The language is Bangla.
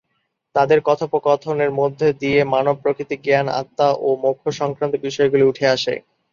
তাদের কথোপকথনের মধ্যে দিয়ে মানব-প্রকৃতি, জ্ঞান, আত্মা ও মোক্ষ-সংক্রান্ত বিষয়গুলি উঠে আসে।